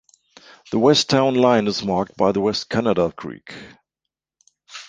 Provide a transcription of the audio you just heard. The west town line is marked by the West Canada Creek.